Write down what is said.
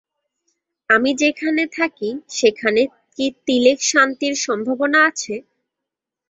আমি যেখানে থাকি সেখানে কি তিলেক শান্তির সম্ভাবনা আছে?